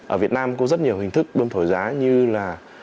ở việt nam có rất nhiều hình thức bơm thổi giá như là